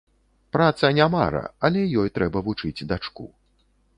Праца не мара, але ёй трэба вучыць дачку.